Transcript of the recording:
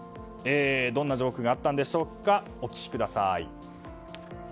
どんなジョークがあったんでしょうかお聞きください。